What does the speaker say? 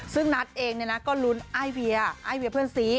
ซึ่งนัทเองเนี่ยเนี่ยก็ลุ้นไอ้เวียเพื่อนซี